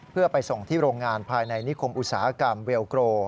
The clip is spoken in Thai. เพื่อไปส่งที่โรงงานภายในนิคมอุตสาหกรรมเวลโกร